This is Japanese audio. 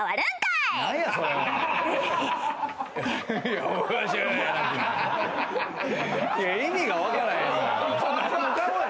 いや意味がわからへんのよ。